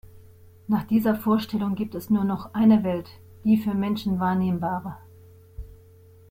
Nach dieser Vorstellung gibt es nur noch eine Welt, die für Menschen wahrnehmbare.